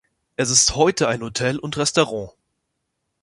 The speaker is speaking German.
Es ist heute ein Hotel und Restaurant.